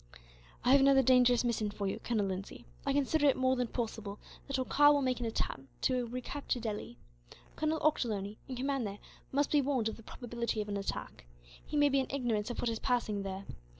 "I have another dangerous mission for you, Captain Lindsay. I consider it more than possible that Holkar will make an attempt to recapture Delhi. Colonel Ochterlony, in command there, must be warned of the probability of an attack. He may be in ignorance of what is passing here.